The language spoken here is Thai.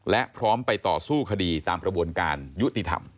และพร้อมไปต่อสู้คดีตามกระบวนการยุติธรรม